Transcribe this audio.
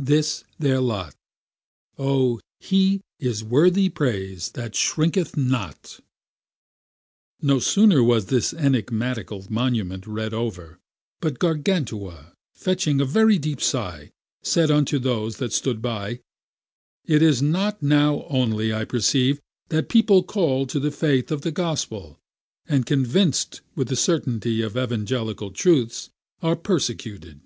This is their lot; O he is worthy praise that shrinketh not! No sooner was this enigmatical monument read over, but Gargantua, fetching a very deep sigh, said unto those that stood by, It is not now only, I perceive, that people called to the faith of the gospel, and convinced with the certainty of evangelical truths, are persecuted.